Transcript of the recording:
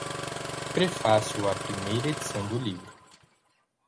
Prefácio à Primeira Edição do Livro